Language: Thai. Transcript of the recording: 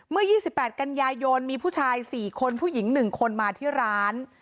เมื่อ๒๘กันยายนมีผู้ชาย๔คนผู้หญิง๑คนมาที่ร้าน